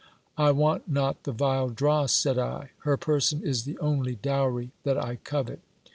I want not the vile dross, said I ; her person is the only dowry that I covet.